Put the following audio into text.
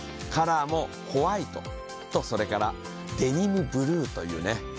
カラーもホワイトとそれからデニムブルーというね。